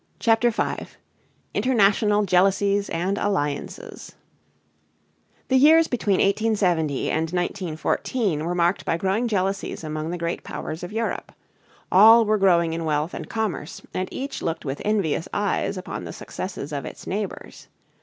I.). CHAPTER V INTERNATIONAL JEALOUSIES AND ALLIANCES The years between 1870 and 1914 were marked by growing jealousies among the great powers of Europe. All were growing in wealth and commerce, and each looked with envious eyes upon the successes of its neighbors.